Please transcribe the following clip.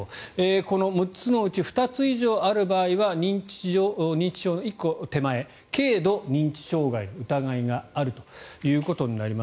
この６つのうちの２つ以上ある場合は認知症の１個手前軽度認知障害の疑いがあるということになります。